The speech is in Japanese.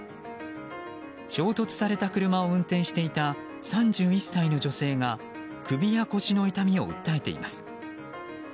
衝突された車を運転していた３１歳の女性が首や腰の痛みを訴えています。